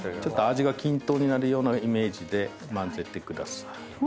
味が均等になるようなイメージで混ぜてください。